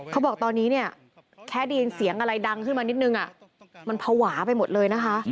เขาบอกตอนนี้เนี่ยแค่ได้ยินเสียงอะไรดังขึ้นมานิดนึงมันภาวะไปหมดเลยนะคะ